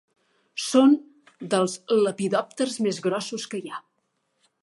Són dels lepidòpters més grossos que hi ha.